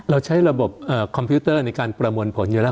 เราใช้ระบบคอมพิวเตอร์ในการประมวลผลอยู่แล้ว